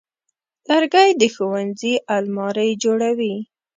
لرګی د ښوونځي المارۍ جوړوي.